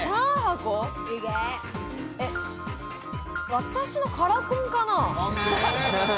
私のカラコンかな？